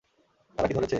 তারা কি ধরেছে?